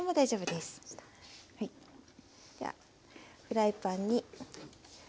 ではフライパンに。